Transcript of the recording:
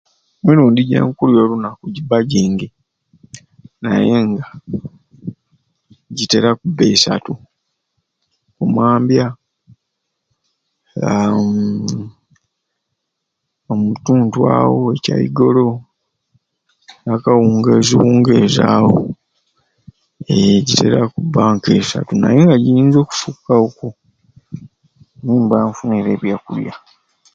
Emirundi jenkulya olunaku jibba jingi nayenga jiteera kuba esaatu, oku mambya, aaa mmmm omutuntu awo ekyaigolo naka wungeezi wungeezi awo eee jitera kuba nke esaatu nayenga jiyinza okusuukawoku nimba nfunire ebyakulya.